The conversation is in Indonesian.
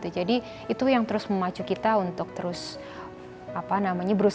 jadi itu yang terus memacu kita untuk terus berusaha yang terbaik